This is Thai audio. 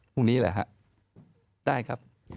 พรุ่งนี้แหละครับได้ครับ